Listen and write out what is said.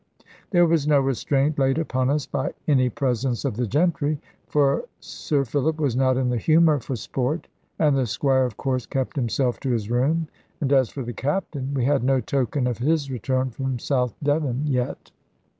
There was no restraint laid upon us by any presence of the gentry; for Sir Philip was not in the humour for sport, and the Squire of course kept himself to his room; and as for the Captain, we had no token of his return from South Devon yet.